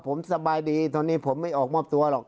ผมสบายดีตอนนี้ผมไม่ออกมอบตัวหรอก